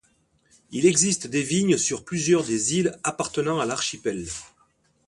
Il existe des vignes sur plusieurs des îles appartenant à l'archipel.